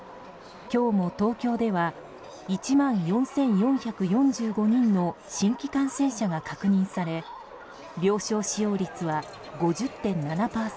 今日も東京では１万４４４５人の新規感染者が確認され病床使用率は５０．７％。